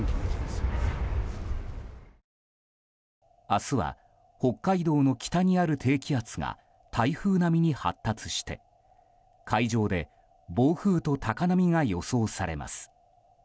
明日は北海道の北にある低気圧が台風並みに発達して海上で暴風と高波が予想されます。